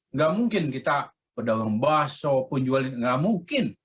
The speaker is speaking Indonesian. nggak mungkin kita pedang lembas sopun jualin nggak mungkin